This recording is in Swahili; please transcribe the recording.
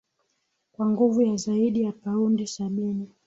kwa nguvu ya zaidi ya paundi sabini